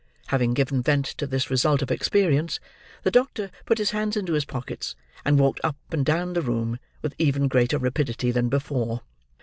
Having given vent to this result of experience, the doctor put his hands into his pockets, and walked up and down the room with even greater rapidity than before.